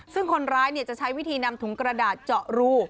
ซึ่งคนร้ายจะใช้วิธีนำถุงกระดาษเจาะรู